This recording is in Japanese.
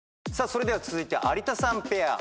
それでは続いて有田さんペア。